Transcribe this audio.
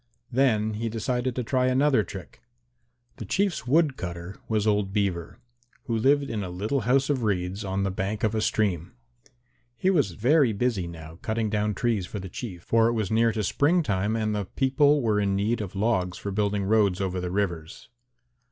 Then he decided to try another trick. The Chief's wood cutter was old Beaver, who lived in a little house of reeds on the bank of a stream. He was very busy now cutting down trees for the Chief, for it was near to spring time and the people were in need of logs for building roads over the rivers.